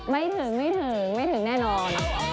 ไม่ถึงไม่ถึงแน่นอน